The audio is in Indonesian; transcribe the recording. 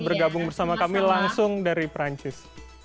bergabung bersama kami langsung dari perancis